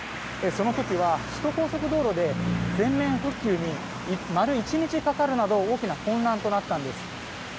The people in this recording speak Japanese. その時は首都高速で全面復旧に丸１日かかるなど大きな混乱となったんです。